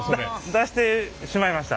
出してしまいました。